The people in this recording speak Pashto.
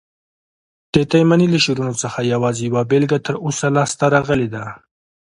د تایمني له شعرونو څخه یوازي یوه بیلګه تر اوسه لاسته راغلې ده.